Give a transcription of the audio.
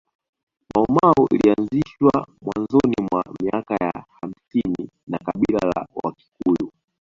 Maumau ilianzishwa mwanzoni mwa miaka ya hamsini na kabila la wakikuyu